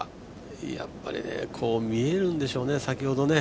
やっぱり見えるんでしょうね、先ほど